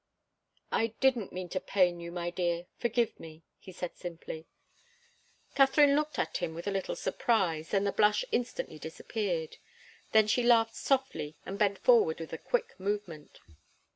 "I didn't mean to pain you, my dear; forgive me," he said, simply. Katharine looked at him with a little surprise, and the blush instantly disappeared. Then she laughed softly and bent forward with a quick movement.